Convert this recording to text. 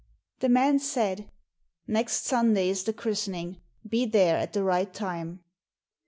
The man said, "Next Sunday is the christening; be there at the right time."